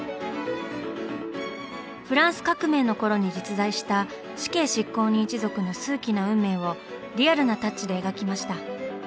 フランス革命の頃に実在した死刑執行人一族の数奇な運命をリアルなタッチで描きました。